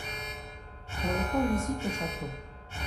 On le conduisit au château.